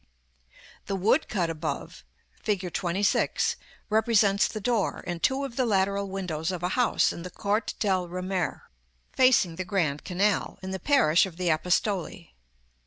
§ XXVII. The woodcut above, Fig. XXVI., represents the door and two of the lateral windows of a house in the Corte del Remer, facing the Grand Canal, in the parish of the Apostoli.